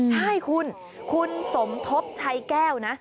ใช่คุณคุณสมทบชัยแก้วนะ